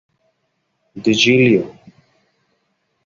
Digilio.